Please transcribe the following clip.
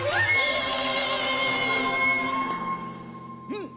うん！